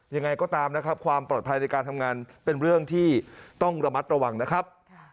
ยังไงก็ตามนะครับความปลอดภัยในการทำงานเป็นเรื่องที่ต้องระมัดระวังนะครับ